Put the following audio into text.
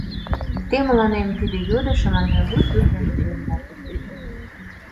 Те мыланем тиде йодышым ынде лу тӱрлын пуэнда.